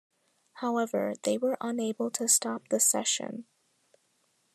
However, they were unable to stop the session.